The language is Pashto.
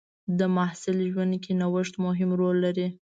د محصل ژوند کې نوښت مهم رول لري.